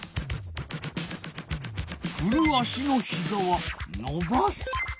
ふる足のひざはのばす。